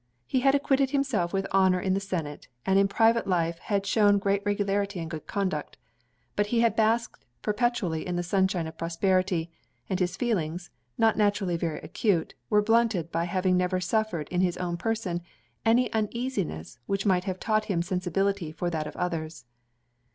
He had acquitted himself with honor in the senate; and in private life had shewn great regularity and good conduct. But he had basked perpetually in the sunshine of prosperity; and his feelings, not naturally very acute, were blunted by having never suffered in his own person any uneasiness which might have taught him sensibility for that of others.